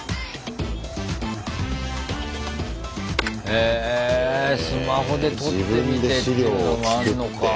へぇスマホで撮ってみてっていうのもあんのかぁ。